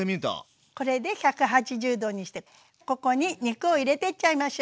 これで１８０℃にしてここに肉を入れてっちゃいましょう。